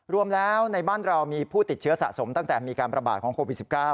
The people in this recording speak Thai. รวมแล้วในบ้านเรามีผู้ติดเชื้อสะสมตั้งแต่มีการประบาดของโควิด๑๙